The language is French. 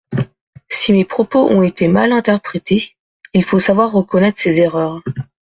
Si mes propos ont été mal interprétés, il faut savoir reconnaître ses erreurs.